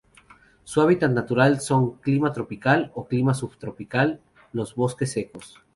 Su hábitat natural son: clima tropical o Clima subtropical, los bosques secos.